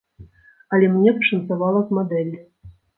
Але мне пашанцавала з мадэллю.